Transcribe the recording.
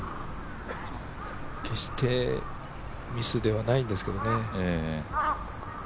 決してミスではないんですけどね。